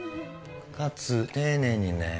かつ丁寧にね。